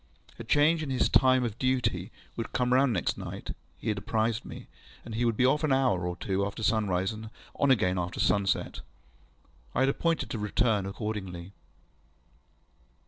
A change in his time of duty would come round next night, he had apprised me, and he would be off an hour or two after sunrise, and on again soon after sunset. I had appointed to return accordingly.